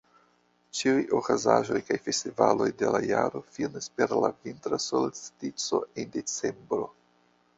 Ĉiuj okazaĵoj kaj festivaloj de la jaro finas per la Vintra solstico en Decembro.